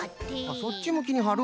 あっそっちむきにはる。